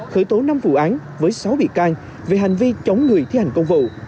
khởi tố năm vụ án với sáu bị can về hành vi chống người thi hành công vụ